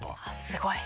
すごい。